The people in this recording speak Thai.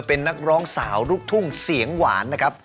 เป็นนักร้องสาวลูกทุ่งเสียงหวานนะครับ